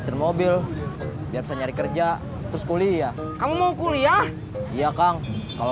terima mobil biar bisa nyari kerja terus kuliah kamu mau kuliah iya kang kalau